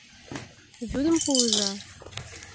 Вӱдым пуыза!